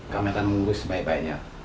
kami akan menunggu sebaik baiknya